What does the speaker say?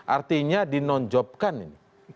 artinya di non job kan ini